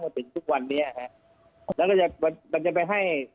เต็มถึงทุกวันนี้อะครับแล้วก็จะก็มันจะไปให้